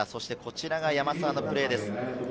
こちらは山沢のプレーです。